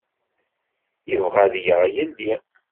Yebɣa ad yaɣ yelli.